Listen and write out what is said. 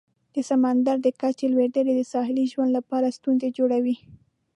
د سمندر د کچې لوړیدل د ساحلي ژوند لپاره ستونزې جوړوي.